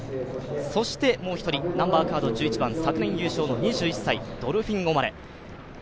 そしてもう１人、ナンバーカード１１番、昨年優勝の２１歳、ドルフィン・オマレ。